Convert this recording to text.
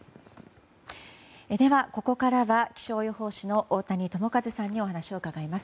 では、ここからは気象予報士の太谷智一さんにお話を伺います。